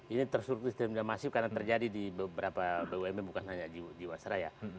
ini terstruktur sistem dan masif karena terjadi di beberapa bumn bukan hanya jiwasraya